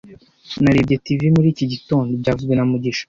Narebye TV muri iki gitondo byavuzwe na mugisha